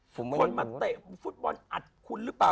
คนมาเตะฟุตบอลอัดคุณหรือเปล่า